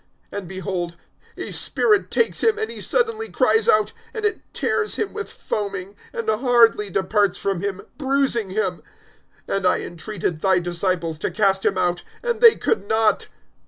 (39)And, behold, a spirit takes him, and he suddenly cries out; and it tears him with foaming, and hardly departs from him, bruising him. (40)And I entreated thy disciples to cast him out; and they could not.